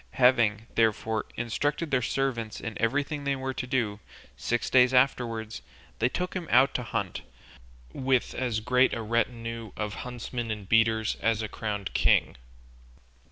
Having, therefore, instructed their servants in everything they were to do, six days afterwards they took him out to hunt, with as great a retinue of huntsmen and beaters as a crowned king.